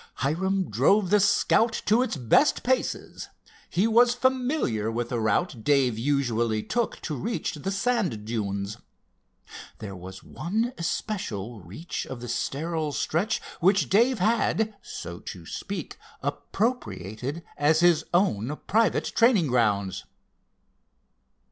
Hiram drove the Scout to its best paces. He was familiar with the route Dave usually took to reach the sand dunes. There was one especial reach of the sterile stretch which Dave had, so to speak, appropriated as his own private training grounds.